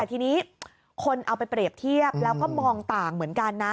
ทีนี้คนเอาไปเปรียบเทียบแล้วก็มองต่างเหมือนกันนะ